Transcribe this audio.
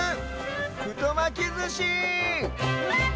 ふとまきずし！